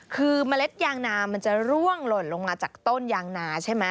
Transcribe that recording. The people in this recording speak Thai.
คือเมล็ดยางนามันจะร่วงหล่นลงมาจากต้นยางนาใช่ไหม